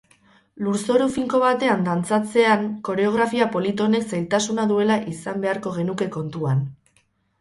Lurzoru finko batean dantzatzean koreografia polit honek zailtasuna duela izan beharko genuke kontuan.